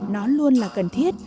nó luôn là cần thiết